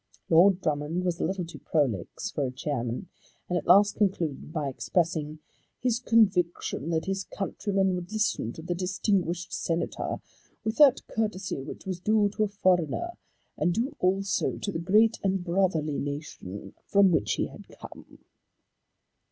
Lord Drummond was a little too prolix for a chairman, and at last concluded by expressing "his conviction that his countrymen would listen to the distinguished Senator with that courtesy which was due to a foreigner and due also to the great and brotherly nation from which he had come."